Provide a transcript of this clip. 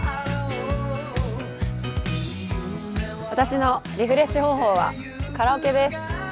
私のリフレッシュ方法はカラオケです。